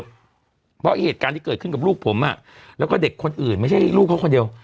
เพราะเหตุการณ์ที่เกิดขึ้นกับลูกผมแล้วก็เด็กคนอื่นไม่ใช่ลูกเขาคนเดียว